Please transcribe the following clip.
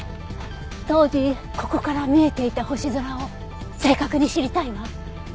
当時ここから見えていた星空を正確に知りたいわ。